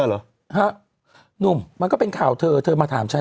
เหรอฮะหนุ่มมันก็เป็นข่าวเธอเธอมาถามฉัน